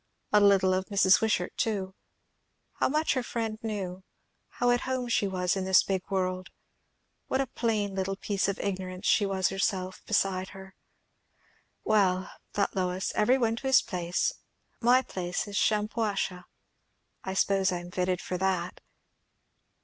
A little of Mrs. Wishart too. How much her friend knew, how at home she was in this big world! what a plain little piece of ignorance was she herself beside her. Well, thought Lois every one to his place! My place is Shampuashuh. I suppose I am fitted for that.